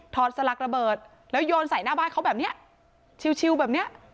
สลักระเบิดแล้วโยนใส่หน้าบ้านเขาแบบเนี้ยชิวแบบเนี้ย